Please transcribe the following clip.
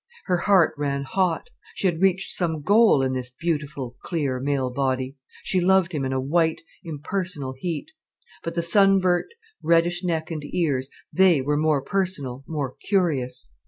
Her heart ran hot. She had reached some goal in this beautiful, clear, male body. She loved him in a white, impersonal heat. But the sun burnt, reddish neck and ears: they were more personal, more curious.